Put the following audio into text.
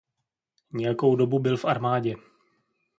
Nějakou dobu byl v armádě.